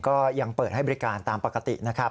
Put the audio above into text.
ก็ยังเปิดให้บริการตามปกตินะครับ